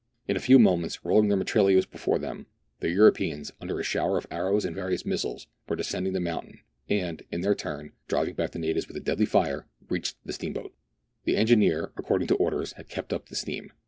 In a few moments, rolling their mitrailleuse before them, the Europeans, under a shower of arrows and various missiles, were descending the mountain, and, intheii turn, driving back the natives with a deadly fire, reached the steamboat The engineer, according to orders, had kept up the steam.